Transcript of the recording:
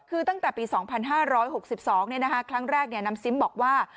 คือตั้งแต่ปีสองพันห้าร้อยหกสิบสองเนี่ยนะคะครั้งแรกเนี่ยน้ำซิมบอกว่า